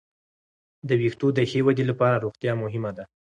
د وېښتو د ښې ودې لپاره روغتیا مهمه ده.